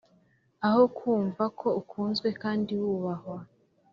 aho kumva ko ukunzwe kandi wubahwa.